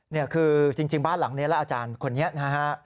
นี่คือจริงบ้านหลังนี้แล้วอาจารย์คนนี้นะฮะ